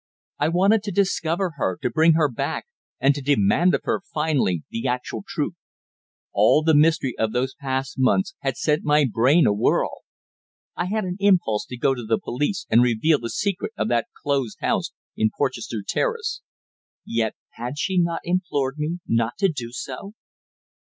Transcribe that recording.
I wanted to discover her, to bring her back, and to demand of her finally the actual truth. All the mystery of those past months had sent my brain awhirl. I had an impulse to go to the police and reveal the secret of that closed house in Porchester Terrace. Yet had she not implored me not to do so?